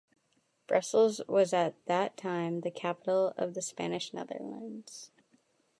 Brussels was at that time the capital of the Spanish Netherlands.